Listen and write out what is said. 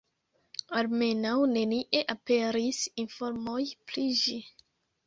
Almenaŭ nenie aperis informoj pri ĝi.